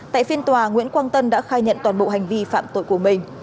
tại phiên tòa nguyễn quang tân đã khai nhận toàn bộ hành vi phạm tội của mình